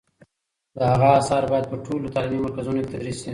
د هغه آثار باید په ټولو تعلیمي مرکزونو کې تدریس شي.